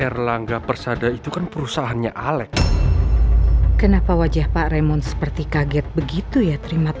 rey general sungguh terperanjakamente k chinaj